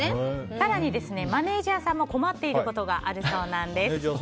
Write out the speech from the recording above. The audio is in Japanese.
更に、マネジャーさんも困っていることがあるそうです。